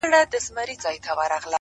څه رنګه سپوږمۍ ده له څراغه يې رڼا وړې’